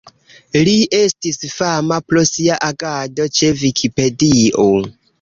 Li estis fama pro sia agado ĉe Vikipedio.